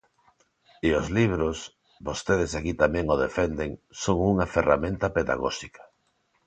E os libros, vostedes aquí tamén o defenden, son unha ferramenta pedagóxica.